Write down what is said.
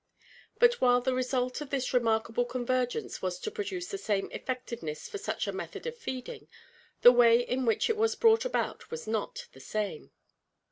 But while the result of this remarkable convergence was to produce the same effectiveness for such a method of feeding, the way in which it was brought about was not the same.